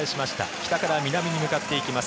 北からに南に向かっていきます。